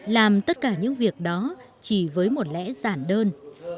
làm tất cả những việc đó chỉ với một lẽ giản đơn